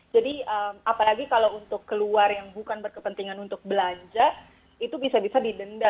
jadi apalagi kalau untuk keluar yang bukan berkepentingan untuk belanja itu bisa bisa didenda